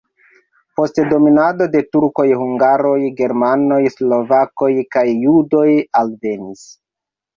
Post dominado de turkoj hungaroj, germanoj, slovakoj kaj judoj alvenis.